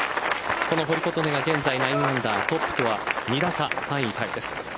堀琴音が現在９アンダートップとは２打差３位タイです。